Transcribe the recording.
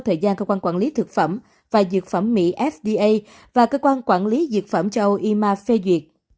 thời gian cơ quan quản lý thực phẩm và dược phẩm mỹ fda và cơ quan quản lý dược phẩm châu âu ima phê duyệt